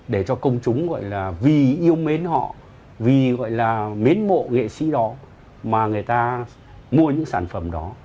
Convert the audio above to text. để cho công chúng vì yêu mến họ vì mến mộ nghệ sĩ đó mà người ta mua những sản phẩm đó